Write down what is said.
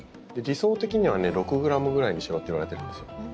理想的には６ｇくらいにしろっていわれてるんですよ。